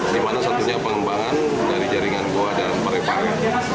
di mana satunya pengembangan dari jaringan goa dan parepare